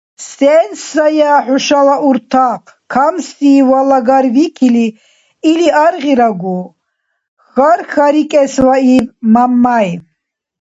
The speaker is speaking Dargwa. — Сен сая нушала уртахъ? Камси валагарвикили или аргъирагу? — хьар-хъарикӀесвииб Мямяй.